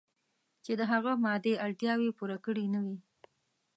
چې د هغه مادي اړتیاوې پوره کړې نه وي.